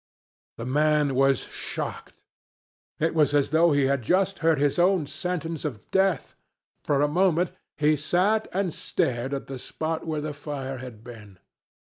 The man was shocked. It was as though he had just heard his own sentence of death. For a moment he sat and stared at the spot where the fire had been.